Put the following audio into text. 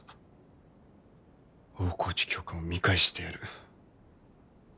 大河内教官を見返してやる。